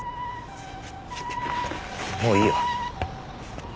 もういいよ。